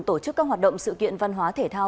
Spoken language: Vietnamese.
tổ chức các hoạt động sự kiện văn hóa thể thao